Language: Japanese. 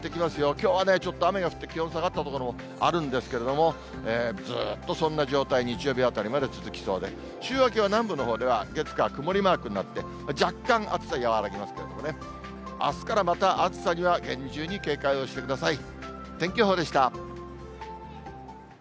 きょうはね、ちょっと下がって気温下がった所もあるんですけれども、ずっとそんな状態、日曜日あたりまで続きそうで、週明けは南部のほうでは、月、火、曇りマークになって、若干、暑さ和らぎますけれどもね、あすからまた暑さには厳重に警戒をしてください。